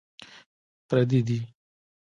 پردي دي.